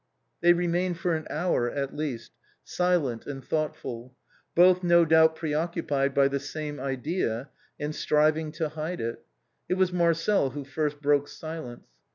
They remained for an hour at least, silent, and thought ful, both no doubt preoccupied by the same idea and striv ing to hide it. It was Marcel who first broke silence.